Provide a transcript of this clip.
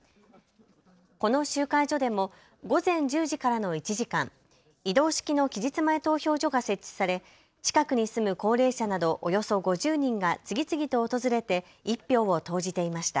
この集会所でも午前１０時からの１時間、移動式の期日前投票所が設置され近くに住む高齢者などおよそ５０人が次々と訪れて１票を投じていました。